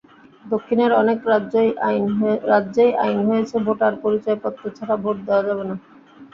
দক্ষিণের অনেক রাজ্যেই আইন হয়েছে—ভোটার পরিচয়পত্র ছাড়া ভোট দেওয়া যাবে না।